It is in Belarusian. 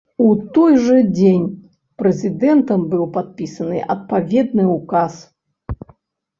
У той жа дзень прэзідэнтам быў падпісаны адпаведны ўказ.